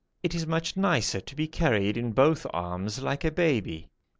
It is much nicer to be carried in both arms like a baby.